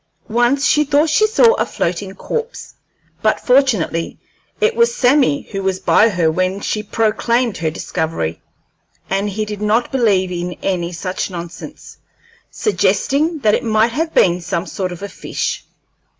Once she thought she saw a floating corpse, but fortunately it was Sammy who was by her when she proclaimed her discovery, and he did not believe in any such nonsense, suggesting that it might have been some sort of a fish.